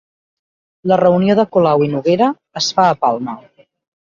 La reunió de Colau i Noguera es fa a Palma